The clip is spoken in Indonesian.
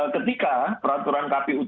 ketika peraturan kpu